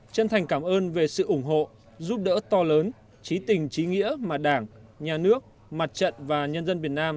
chân thành cảm ơn về sự ủng hộ giúp đỡ to lớn trí tình trí nghĩa mà đảng nhà nước mặt trận và nhân dân việt nam